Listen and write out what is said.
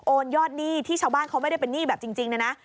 ยอดหนี้ที่ชาวบ้านเขาไม่ได้เป็นหนี้แบบจริงนะนะ